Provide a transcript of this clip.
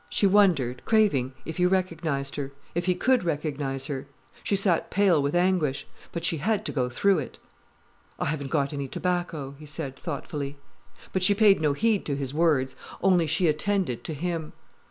She wondered, craving, if he recognized her—if he could recognize her. She sat pale with anguish. But she had to go through it. "I haven't got any tobacco," he said thoughtfully. But she paid no heed to his words, only she attended to him.